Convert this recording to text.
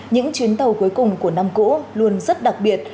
những chuyến tàu cuối cùng của năm cũ luôn rất đặc biệt